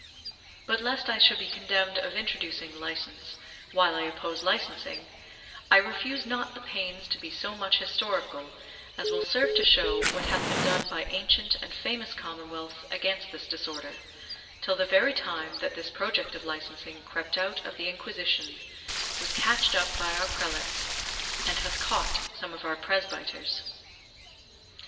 But lest I should be condemned of introducing license, while I oppose licensing, I refuse not the pains to be so much historical, as will serve to show what hath been done by ancient and famous commonwealths against this disorder, till the very time that this project of licensing crept out of the Inquisition, was catched up by our prelates, and hath caught some of our presbyters.